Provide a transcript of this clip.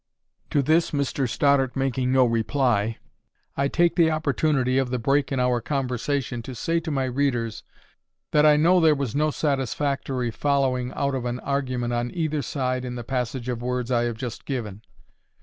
To this Mr Stoddart making no reply, I take the opportunity of the break in our conversation to say to my readers, that I know there was no satisfactory following out of an argument on either side in the passage of words I have just given.